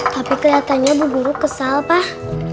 tapi kelihatannya bu guru kesal pah